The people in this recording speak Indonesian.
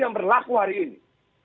yang berlaku hari ini